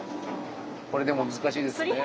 これでも難しいですね。